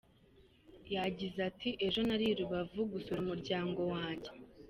Yagize ati “ Ejo nari i Rubavu gusura umuryango wanjye.